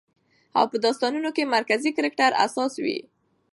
او په داستانونو کې مرکزي کرکټر اساس وي